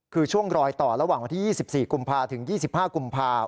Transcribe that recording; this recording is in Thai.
คือช่วงรอยต่อระหว่างวันที่๒๔กุมภาถึง๒๕กุมภาพ